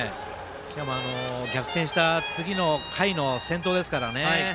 しかも、逆転した次の回の先頭ですからね。